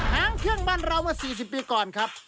หางเครื่องบ้านเราเมื่อ๔๐ปีก่อนครับ